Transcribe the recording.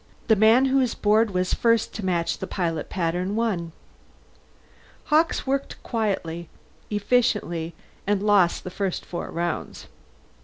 The man whose board was first to match the pilot pattern won. Hawkes worked quietly, efficiently, and lost the first four rounds.